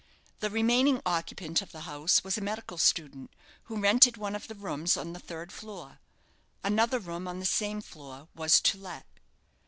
The remaining occupant of the house was a medical student, who rented one of the rooms on the third floor. Another room on the same floor was to let.